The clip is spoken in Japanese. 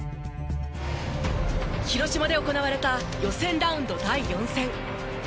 広島で行われた予選ラウンド第４戦。